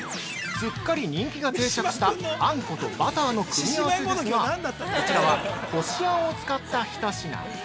◆すっかり人気が定着したあんことバターの組み合わせですがこちらは、こしあんを使った一品。